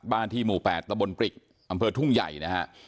ที่หมู่๘ตะบนปริกอำเภอทุ่งใหญ่นะฮะ